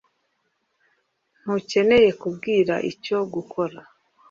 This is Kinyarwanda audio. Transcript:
Ntukeneye kumbwira icyo gukora